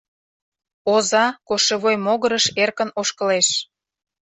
Оза кошевой могырыш эркын ошкылеш.